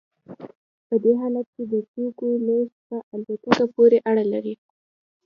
په دې حالت کې د توکو لیږد په الوتکه پورې اړه لري